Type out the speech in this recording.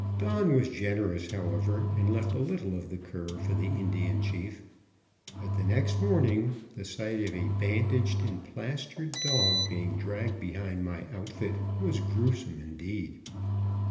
Don was generous, however, and left a little of the cur for the Indian Chief, but next morning the sight of a bandaged and plastered dog being dragged behind my outfit was gruesome indeed.